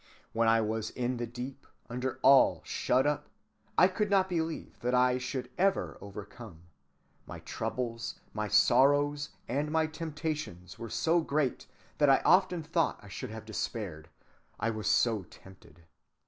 When I was in the deep, under all shut up, I could not believe that I should ever overcome; my troubles, my sorrows, and my temptations were so great that I often thought I should have despaired, I was so tempted.